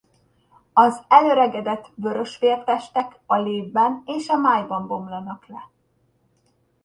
Az elöregedett vörösvértestek a lépben és a májban bomlanak le.